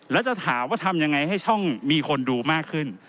แล้วจะถามว่าทำยังไงให้ช่องมีคนดูมากขึ้น